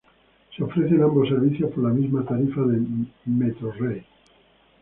Se ofrecen ambos servicios por la misma tarifa de Metrorrey.